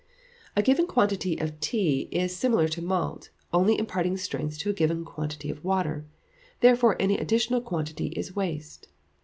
A given quantity of tea is similar to malt only imparting strength to a given quantity of water, therefore any additional quantity is waste.